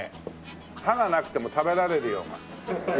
歯がなくても食べられるようなやわらかいね。